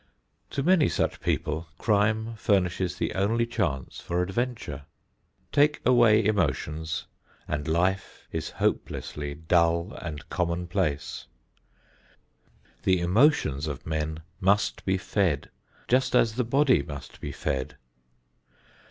To many such people crime furnishes the only chance for adventure. Take away emotions and life is hopelessly dull and commonplace. The emotions of men must be fed just as the body must be fed.